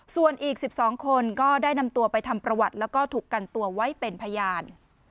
ส่วนอีก๑๒คนก็ได้นำตัวไปทำประวัติแล้วก็ถูกกันตัวไว้เป็นพยาน